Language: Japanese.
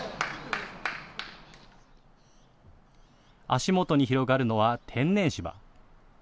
足元に広がるのは天然芝。